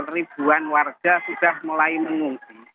ribuan warga sudah mulai mengungsi